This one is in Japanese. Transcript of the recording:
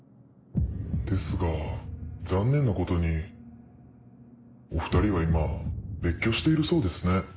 ですが残念なことにお２人は今別居しているそうですね。